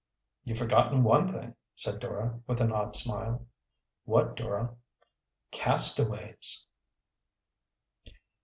"You've forgotten one thing," said Dora, with an odd smile. "What, Dora?" "Castaways."